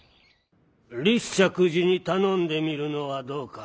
立石寺に頼んでみるのはどうか。